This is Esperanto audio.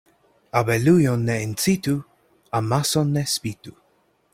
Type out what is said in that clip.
Abelujon ne incitu, amason ne spitu.